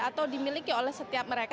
atau dimiliki oleh setiap mereka